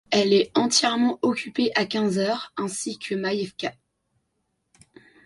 Elle est entièrement occupée à quinze heures ainsi que Makeïevka.